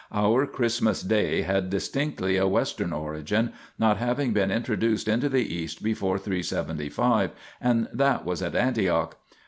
Our Christmas Day had distinctly a Western origin, not having been introduced into the East before 375, and that was at Antioch.